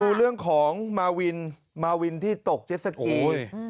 ดูเรื่องของมาวินมาวินที่ตกเจ็ดสกี